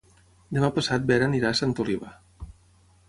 Demà passat na Vera irà a Santa Oliva.